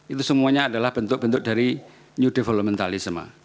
itu semuanya adalah bentuk bentuk dari new develomentalisme